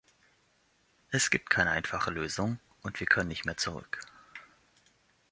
Es gibt keine einfache Lösung, und wir können nicht mehr zurück.